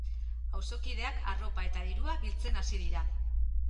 Auzokideak arropa eta dirua biltzen hasi dira.